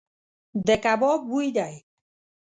د کباب بوی دی .